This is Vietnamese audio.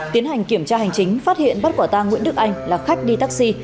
tiến hành kiểm tra hành chính phát hiện bắt quả tang nguyễn đức anh là khách đi taxi